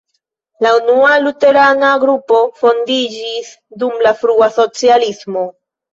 La unua luterana grupo fondiĝis dum la frua socialismo.